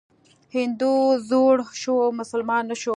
هندو زوړ شو، مسلمان نه شو.